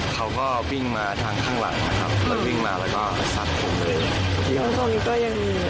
เขาก็วิ่งมาทางข้างหลังนะครับแล้ววิ่งมาแล้วก็ซักผมเลย